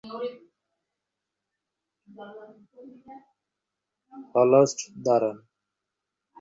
আমি চিরস্বতন্ত্র, সে-কথা জানেন তোমাদের মাস্টারমশায়, তবু আমাকে বিশ্বাস করেন কেন?